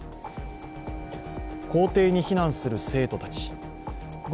校庭に避難する生徒たち。